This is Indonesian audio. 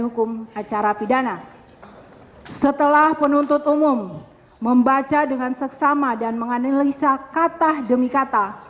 hukum acara pidana setelah penuntut umum membaca dengan seksama dan menganalisa kata demi kata